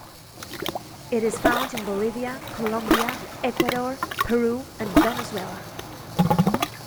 It is found in Bolivia, Colombia, Ecuador, Peru and Venezuela.